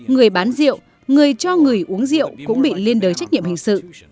người bán rượu người cho người uống rượu cũng bị liên đới trách nhiệm hình sự